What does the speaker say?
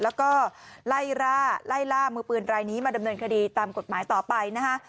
แล้วก็ไล่ล่ามือปืนรายนี้มาดำเนินคดีตามกฎหมายต่อไปนะคะ